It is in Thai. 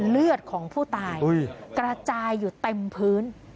เลือดของผู้ตายกระจายอยู่เต็มพื้น